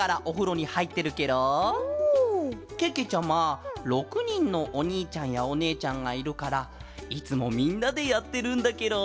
けけちゃま６にんのおにいちゃんやおねえちゃんがいるからいつもみんなでやってるんだケロ。